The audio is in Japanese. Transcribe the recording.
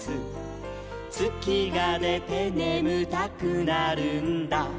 「つきがでてねむたくなるんだ」